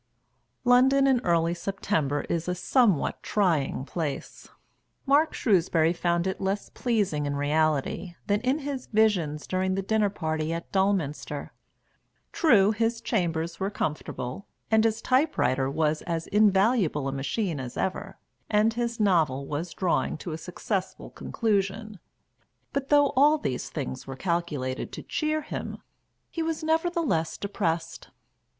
London in early September is a somewhat trying place. Mark Shrewsbury found it less pleasing in reality than in his visions during the dinner party at Dulminster. True, his chambers were comfortable, and his type writer was as invaluable a machine as ever, and his novel was drawing to a successful conclusion; but though all these things were calculated to cheer him, he was nevertheless depressed.